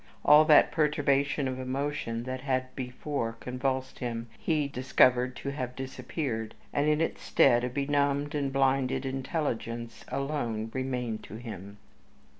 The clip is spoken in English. All that perturbation of emotion that had before convulsed him he discovered to have disappeared, and in its stead a benumbed and blinded intelligence alone remained to him.